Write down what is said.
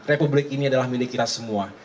republik ini adalah milik kita semua